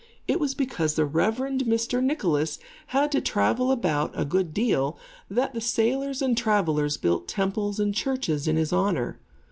It was because the Reverend Mr. Nicholas had to travel about a good deal, that the sailors and travellers built temples and churches in his honor.